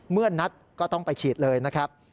เมื่อนัดก็ต้องไปฉีดเลยนะครับ